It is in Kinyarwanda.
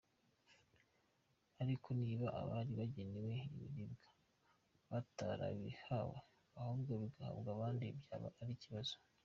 Ariko niba abari bagenewe ibiribwa batarabihawe ahubwo bigahabwa abandi byaba ari ikibazo.